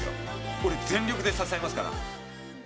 俺、全力で支えますから。